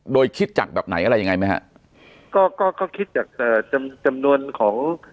โดยคิดจักรแบบไหนอะไรยังไงไหมฮะก็